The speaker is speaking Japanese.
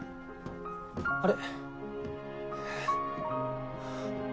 あれ？